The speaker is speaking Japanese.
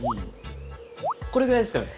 これぐらいですかね。